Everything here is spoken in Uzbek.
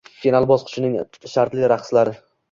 Final bosqichining shartli raqslari: